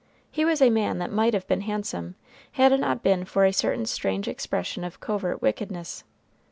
He was a man that might have been handsome, had it not been for a certain strange expression of covert wickedness.